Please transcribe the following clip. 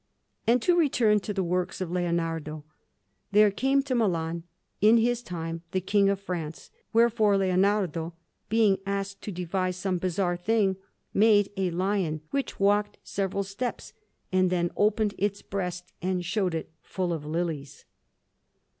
And to return to the works of Leonardo; there came to Milan, in his time, the King of France, wherefore Leonardo being asked to devise some bizarre thing, made a lion which walked several steps and then opened its breast, and showed it full of lilies.